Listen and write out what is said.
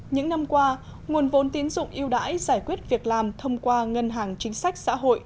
những năm qua nguồn vốn tín dụng yêu đãi giải quyết việc làm thông qua ngân hàng chính sách xã hội